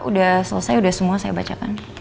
udah selesai udah semua saya bacakan